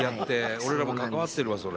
俺らも関わってるわそれ。